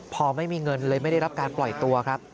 พอไม่มีเงินเลยไม่ได้รับการปล่อยตัวครับ